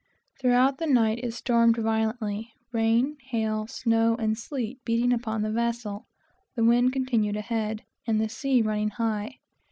Throughout the night it stormed violently rain, hail, snow, and sleet beating down upon the vessel the wind continuing to break ahead, and the sea running high.